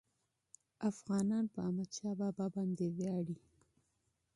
افغانان په احمدشاه بابا باندي ویاړي.